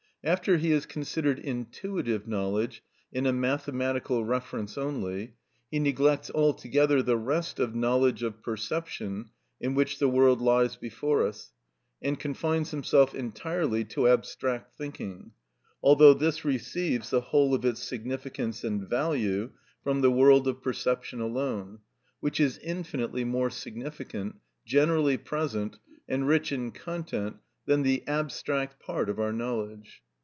After he has considered intuitive knowledge in a mathematical reference only, he neglects altogether the rest of knowledge of perception in which the world lies before us, and confines himself entirely to abstract thinking, although this receives the whole of its significance and value from the world of perception alone, which is infinitely more significant, generally present, and rich in content than the abstract part of our knowledge.